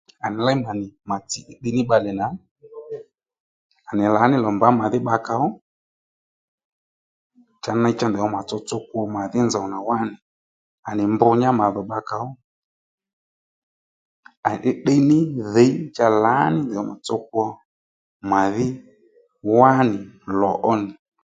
À nì ley mà nì mà tsǐ tdiytdiy ní bbalè nà à nì lǎní lò mba màdhí bbakà ó cha ney ndèydho mà tsotso kwo màdhí nzòw nà wá nì à nì mbr nyá màdhò bba kà ó à nì tdiytdiy ní dhǐy cha lǎní ndèydho màtsotso kwo màdhí wá nì lò ó nì